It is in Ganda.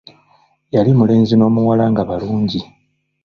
Yali mulenzi n'omuwala nga balongo.